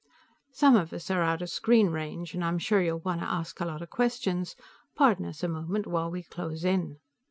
"Some of us are out of screen range, and I'm sure you'll want to ask a lot of questions. Pardon us a moment, while we close in."